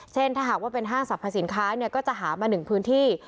ถ้าหากว่าเป็นห้างสรรพสินค้าก็จะหามา๑พื้นที่